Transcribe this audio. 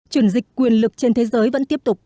chuyển dịch quyền lực trên thế giới vẫn tiếp tục